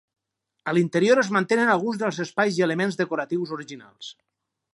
A l'interior es mantenen alguns dels espais i elements decoratius originals.